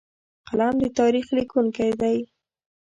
قلم د تاریخ لیکونکی دی